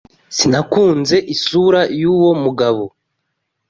Sinakunze isura yuwo mugabo.